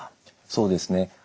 そうですね。